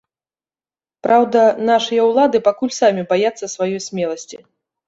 Праўда, нашыя ўлады пакуль самі баяцца сваёй смеласці.